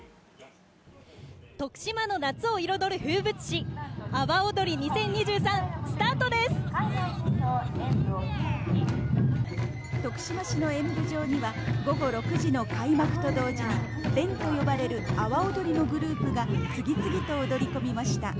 徳島の夏を彩る風物詩、徳島市の演舞場には午後６時の開幕と同時に、連と呼ばれる阿波踊りのグループが次々と踊り込みました。